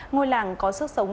ngôi làng có sức sống